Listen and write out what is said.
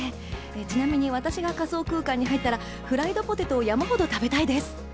ちなみに私が仮想空間に入ったらフライドポテトを山ほど食べたいです。